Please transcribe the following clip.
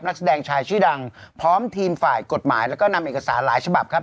นักแสดงชายชื่อดังพร้อมทีมฝ่ายกฎหมายแล้วก็นำเอกสารหลายฉบับครับ